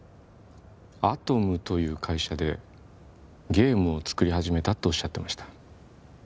アトムという会社でゲームを作り始めたっておっしゃってました